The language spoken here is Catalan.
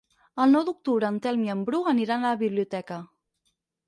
El nou d'octubre en Telm i en Bru aniran a la biblioteca.